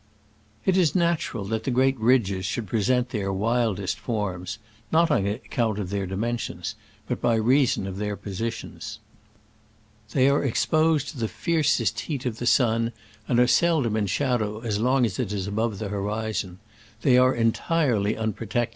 It is natural that the great ridges should present the wildest forms — not on ac count of their dimensions, but by reason of their positions. They are exposed to the fiercest heat of the sun, and are sel dom in shadow as long as it is above the horizon. They arQjaati*"ely unprotected.